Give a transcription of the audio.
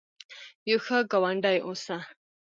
یو ښه ګاونډي اوسه